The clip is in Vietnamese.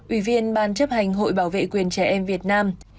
ủy viên ban chấp hành hội bảo vệ quyền trẻ em việt nam